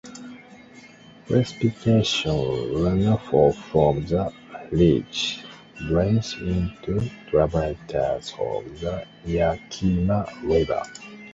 Precipitation runoff from the ridge drains into tributaries of the Yakima River.